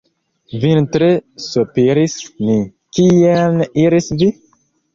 Vin tre sopiris ni, kien iris vi?